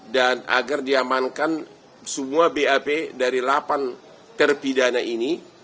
dan agar diamankan semua bap dari delapan terpidana ini